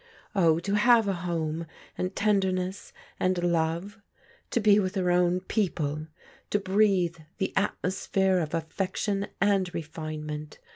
Ob, to have a home, and tender ness, and love ! Tobe with her own pec^e! To breathe the atmosphere of affection and refinement!